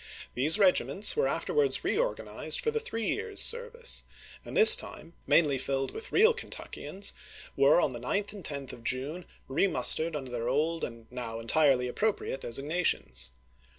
These regiments were ^^\l" ^' afterwards reorganized for the three years' service; and this time, mainly filled with real Kentuckians, were on the 9th and 10th of June remustered under isei. their old and now entirely appropriate designa tions.